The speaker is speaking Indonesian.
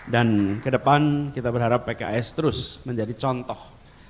dan kedepan kita berharap pks terus menjadi contoh